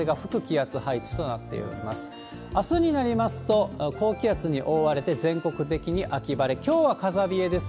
あすになりますと、高気圧に覆われて、全国的に秋晴れ、きょうは風冷えです